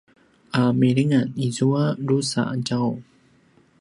a milingan izua drusa djaum